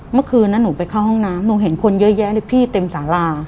เมื่อคืนนั้นหนูไปเข้าห้องน้ำหนูเห็นคนเยอะแยะเลยพี่เต็มสารา